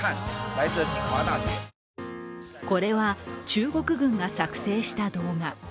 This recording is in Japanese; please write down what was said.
これは中国軍が作成した動画。